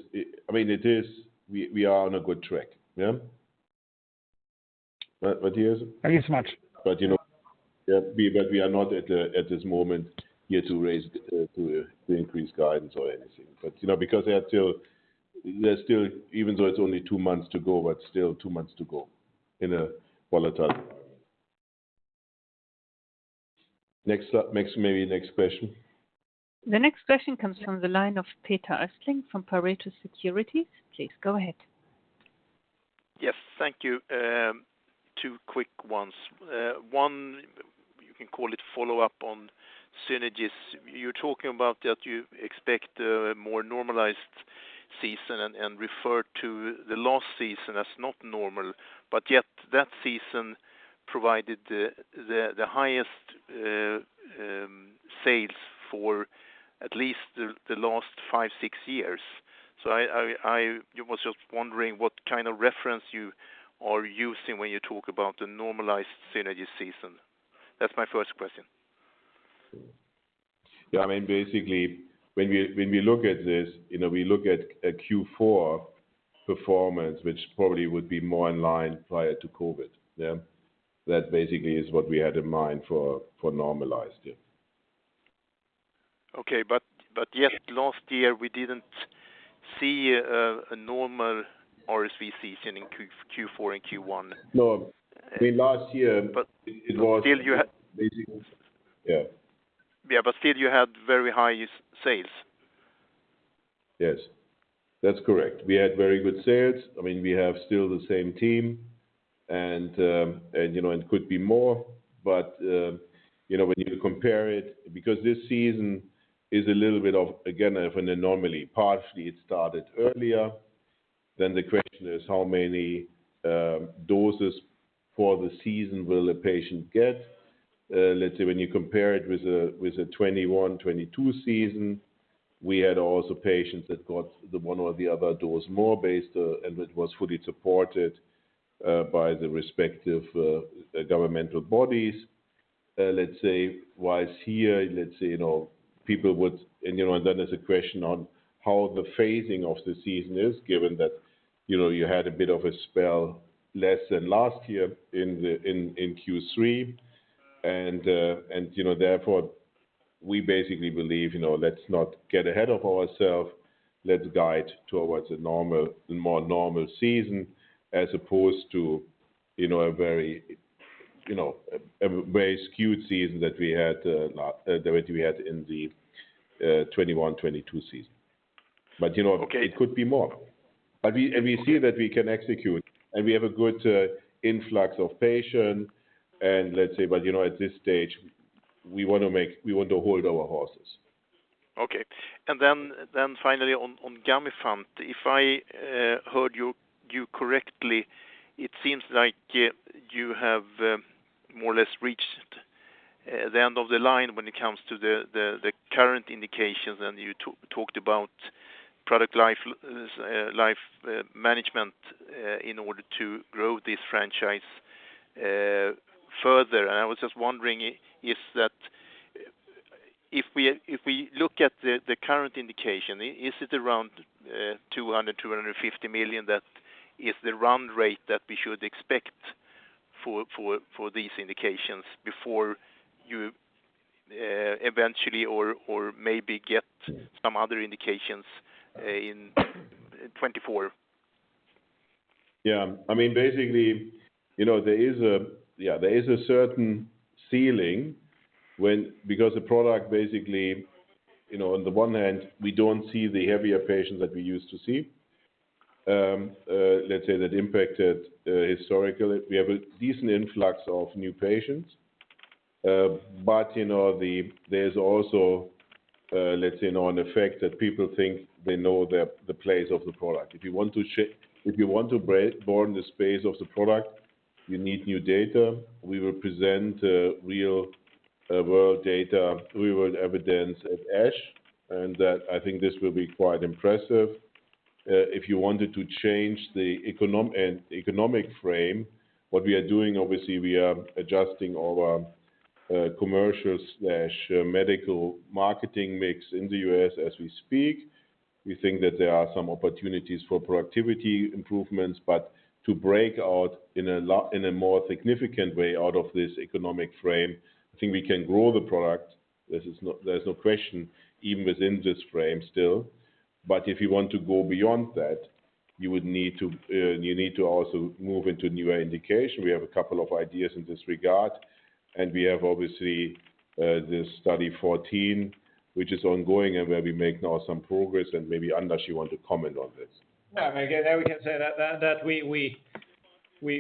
I mean, it is we are on a good track, yeah. Yes. Thank you so much. You know, yeah, we are not at this moment here to raise to increase guidance or anything. You know, because there are still, there is still even though it's only 2 months to go, but still 2 months to go in a volatile environment. Next up. Next, maybe next question. The next question comes from the line of Peter Östling from Pareto Securities. Please go ahead. Yes. Thank you. Two quick ones. One, you can call it Follow-Up on Synagis. You're talking about that you expect a more normalized season and refer to the last season as not normal. Yet that season provided the highest sales for at least the last 5, 6 years. I was just wondering what kind of reference you are using when you talk about the normalized Synagis season. That's my first question. Yeah. I mean, basically, when we look at this, you know, we look at a Q4 performance, which probably would be more in line prior to COVID. Yeah. That basically is what we had in mind for normalized. Yeah. Okay. Yet last year we didn't see a normal RSV season in Q4 and Q1. No. I mean, last year. But- It was- Still you had- Basically. Yeah. Yeah. Still you had very high sales. Yes. That's correct. We had very good sales. I mean, we have still the same team and you know, it could be more, but you know, when you compare it. Because this season is a little bit of, again, of an anomaly. Partially it started earlier, then the question is how many doses for the season will a patient get? Let's say when you compare it with a 2021, 2022 season, we had also patients that got the one or the other dose more based and it was fully supported by the respective governmental bodies. Let's say whilst here, let's say, you know, people would. You know, and then there's a question on how the phasing of the season is given that, you know, you had a bit less sales than last year in Q3. You know, therefore we basically believe, you know, let's not get ahead of ourselves. Let's guide towards a normal, more normal season as opposed to, you know, a very skewed season that we had in the 2021-2022 season. You know- Okay. It could be more. Okay. We see that we can execute, and we have a good influx of patient and let's say. You know, at this stage we want to hold our horses. Okay. Finally on Gamifant. If I heard you correctly, it seems like you have more or less reached the end of the line when it comes to the current indications. You talked about product life management in order to grow this franchise further. I was just wondering, if we look at the current indication, is it around 200-250 million that is the run rate that we should expect for these indications before you eventually or maybe get some other indications in 2024? Yeah. I mean, basically, you know, there is a certain ceiling. Because the product basically, you know, on the one hand we don't see the heavier patients that we used to see. Let's say that impacted historically. We have a decent influx of new patients. You know, there's also, let's say, you know, an effect that people think they know the place of the product. If you want to broaden the space of the product, you need new data. We will present real world data, real world evidence at ASH, and that I think this will be quite impressive. If you wanted to change the economic frame, what we are doing, obviously we are adjusting our commercial/medical marketing mix in the US as we speak. We think that there are some opportunities for productivity improvements. To break out in a more significant way out of this economic frame, I think we can grow the product. There's just no question, even within this frame still. If you want to go beyond that, you need to also move into newer indication. We have a couple of ideas in this regard. We have obviously, this study 14 which is ongoing and where we make now some progress and maybe Anders you want to comment on this. Again, there we can say that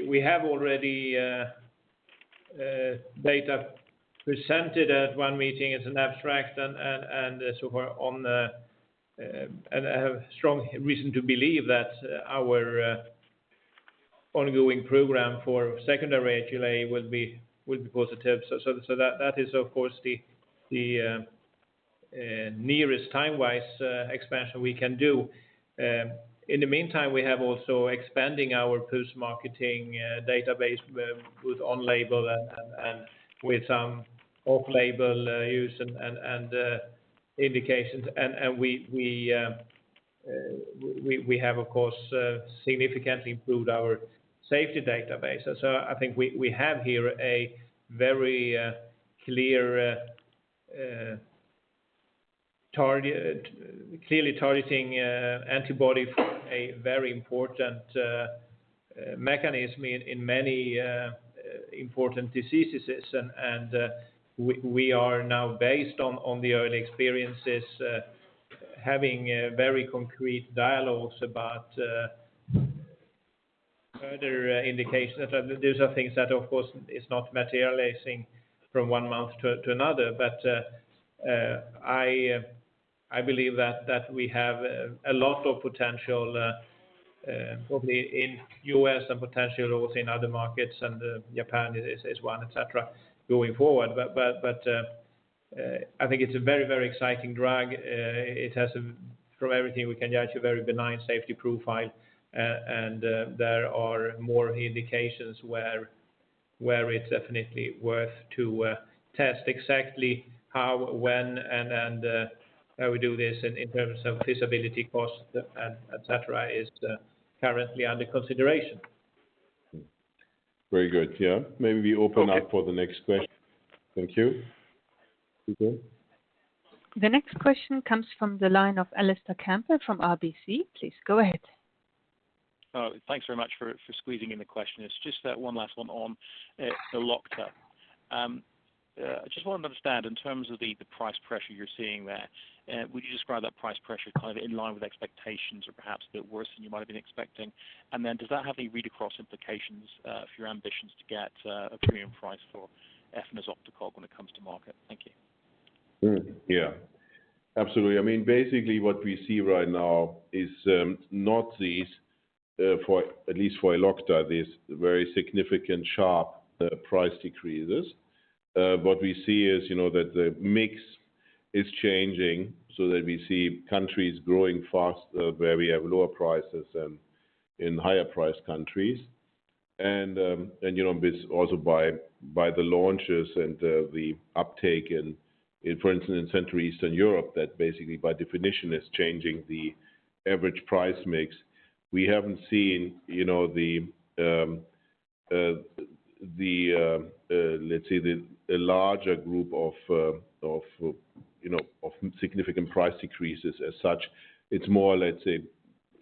we have already data presented at one meeting as an abstract and so we're on the and I have strong reason to believe that our ongoing program for secondary HLH will be positive. That is of course the nearest Time-Wise expansion we can do. In the meantime, we have also expanding our Post-Marketing database with On-Label and with some Off-Label use and indications. We have of course significantly improved our safety database. I think we have here a very clear target, clearly targeting antibody for a very important mechanism in many important diseases. We are now based on the early experiences having very concrete dialogues about further indications. These are things that of course is not materializing from one month to another. I believe that we have a lot of potential probably in U.S. and potential also in other markets and Japan is one, et cetera, going forward. I think it's a very exciting drug. It has a from everything we can judge a very benign safety profile. There are more indications where it's definitely worth to test exactly how, when, and how we do this in terms of feasibility costs and et cetera is currently under consideration. Very good. Yeah. Maybe we open up for the next question. Thank you. The next question comes from the line of Alistair Campbell from RBC. Please go ahead. Oh, thanks very much for squeezing in the question. It's just that one last one on the Elocta. Just want to understand in terms of the price pressure you're seeing there, would you describe that price pressure kind of in line with expectations or perhaps a bit worse than you might have been expecting? Does that have any read-across implications for your ambitions to get a premium price for efanesoctocog when it comes to market? Thank you. Yeah. Absolutely. I mean, basically what we see right now is not these very significant sharp price decreases for at least Elocta. What we see is, you know, that the mix is changing so that we see countries growing fast where we have lower prices than in higher priced countries. You know, this also by the launches and the uptake in, for instance, Central Eastern Europe, that basically by definition is changing the average price mix. We haven't seen, you know, a larger group of significant price decreases as such. It's more, let's say,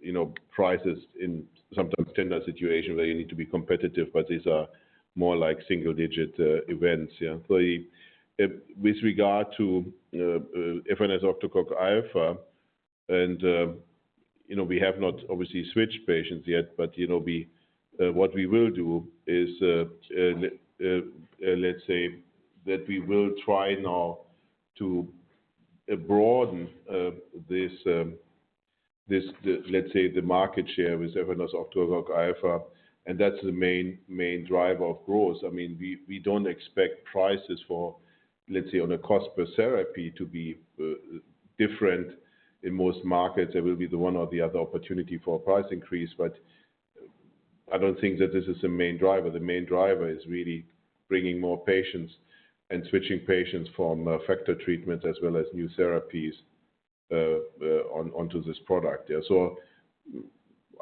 you know, prices in sometimes tender situation where you need to be competitive, but these are more like single digit events. With regard to efanesoctocog alfa, you know, we have not obviously switched patients yet. You know, what we will do is, let's say that we will try now to broaden the market share with efanesoctocog alfa, and that's the main driver of growth. I mean, we don't expect prices for, let's say, on a cost per therapy to be different in most markets. There will be the one or the other opportunity for a price increase. I don't think that this is the main driver. The main driver is really bringing more patients and switching patients from factor treatments as well as new therapies onto this product. Yeah.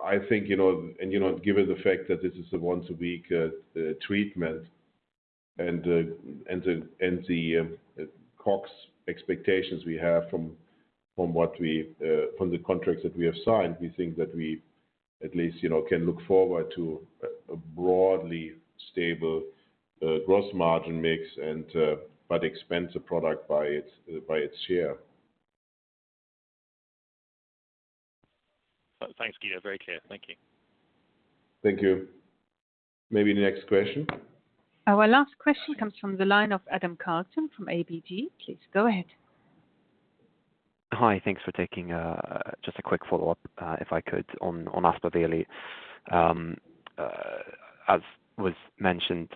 I think, you know, given the fact that this is a once-a-week treatment and the COGS expectations we have from the contracts that we have signed, we think that we at least, you know, can look forward to a broadly stable gross margin mix and expand the product by its share. Thanks, Guido. Very clear. Thank you. Thank you. Maybe the next question. Our last question comes from the line of Adam Karlsson from ABG. Please go ahead. Hi. Thanks for taking. Just a quick Follow-Up, if I could on Aspaveli. As was mentioned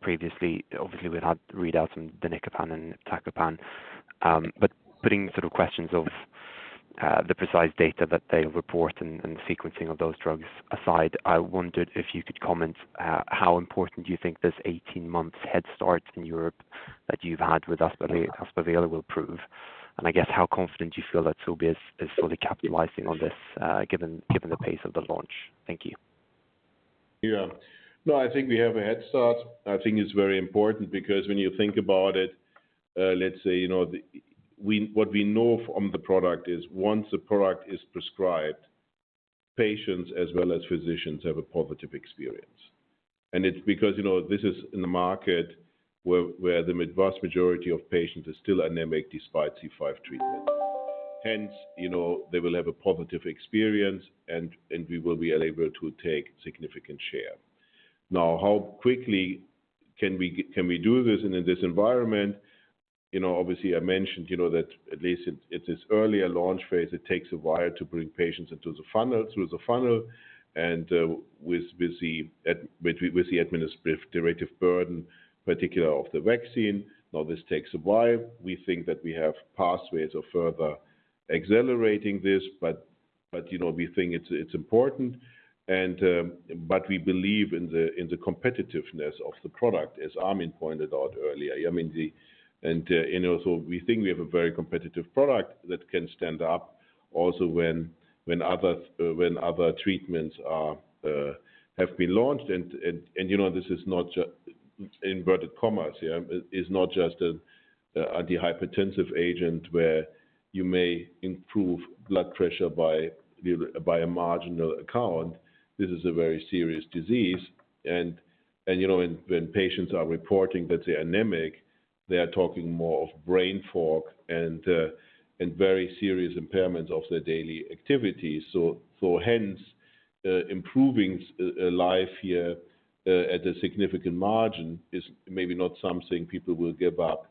previously, obviously we've had readouts on danicopan and iptacopan. But putting sort of questions of the precise data that they report and the sequencing of those drugs aside, I wondered if you could comment how important do you think this 18 months head start in Europe that you've had with Aspaveli will prove? I guess how confident do you feel that Sobi is fully capitalizing on this, given the pace of the launch? Thank you. Yeah. No, I think we have a head start. I think it's very important because when you think about it, let's say, you know, we, what we know from the product is once the product is prescribed, patients as well as physicians have a positive experience. It's because, you know, this is in a market where the vast majority of patients are still anemic despite C5 treatment. Hence, you know, they will have a positive experience and we will be able to take significant share. Now, how quickly can we do this in this environment? You know, obviously I mentioned, you know, that at least at this earlier launch phase, it takes a while to bring patients into the funnel, through the funnel. With the administrative burden, particularly of the vaccine. Now this takes a while. We think that we have pathways of further accelerating this, but you know, we think it's important, but we believe in the competitiveness of the product, as Armin pointed out earlier. I mean, you know, we think we have a very competitive product that can stand up also when other treatments have been launched. You know, this is not just, inverted commas here, is not just a antihypertensive agent where you may improve blood pressure by a marginal account. This is a very serious disease. You know, when patients are reporting that they're anemic, they are talking more of brain fog and very serious impairment of their daily activities. Hence, improving a life here, at a significant margin is maybe not something people will give up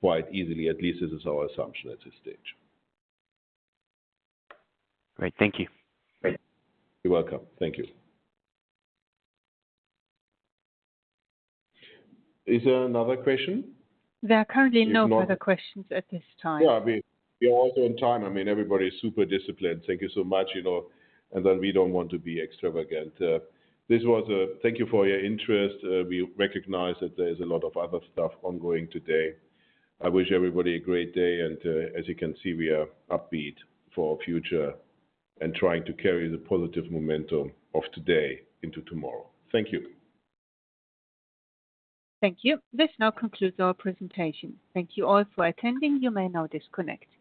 quite easily. At least this is our assumption at this stage. Great. Thank you. You're welcome. Thank you. Is there another question? There are currently no further questions at this time. We are also on time. I mean, everybody is super disciplined. Thank you so much. You know, and then we don't want to be extravagant. Thank you for your interest. We recognize that there is a lot of other stuff ongoing today. I wish everybody a great day and as you can see, we are upbeat for our future and trying to carry the positive momentum of today into tomorrow. Thank you. Thank you. This now concludes our presentation. Thank you all for attending. You may now disconnect.